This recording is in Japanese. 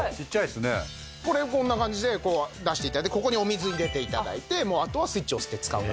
これこんな感じで出して頂いてここにお水入れて頂いてあとはスイッチ押して使うだけ。